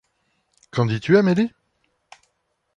Qu’en dis-tu, Amélie?